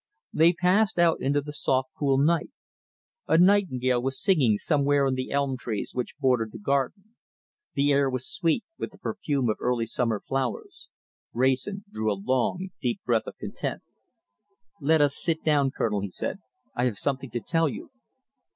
They passed out into the soft, cool night. A nightingale was singing somewhere in the elm trees which bordered the garden. The air was sweet with the perfume of early summer flowers. Wrayson drew a long, deep breath of content. "Let us sit down, Colonel," he said; "I have something to tell you."